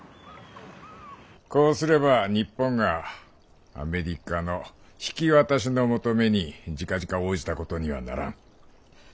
こうすれば日本がアメリカの引き渡しの求めにじかじか応じたことにはならん。